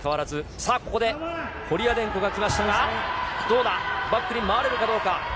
さあ、ここでコリアデンコがきましたが、どうだ、バックに回れるかどうか。